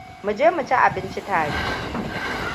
Muje mu ci abinci tare.